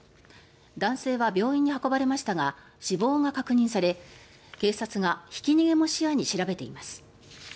男性は病院に運ばれましたが死亡が確認され警察がひき逃げも視野に調べています。